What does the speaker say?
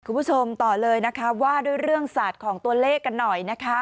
คุณผู้ชมต่อเลยนะคะว่าด้วยเรื่องศาสตร์ของตัวเลขกันหน่อยนะคะ